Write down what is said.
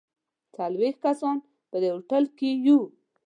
څلوېښت کسان په دې هوټل کې یو.